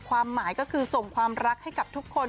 ความหมายก็คือส่งความรักให้กับทุกคน